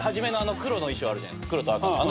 黒と赤の。